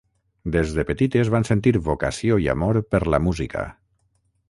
Des de petites van sentir vocació i amor per la música.